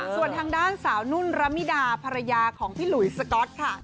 ส่วนทางด้านสาวนุ่นระมิดาภรรยาของพี่หลุยสก๊อตค่ะ